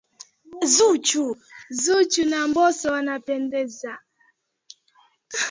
Zuchu na mbosso wanapendeza.